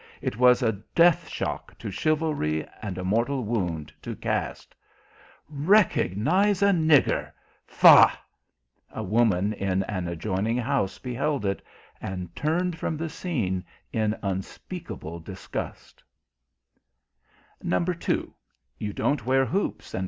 It was a death shock to chivalry and a mortal wound to caste. "Recognize a nigger! Fough!" A woman in an adjoining house beheld it, and turned from the scene in unspeakable disgust.